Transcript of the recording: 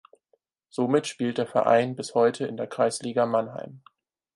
Somit spielt der Verein bis heute in der Kreisliga Mannheim.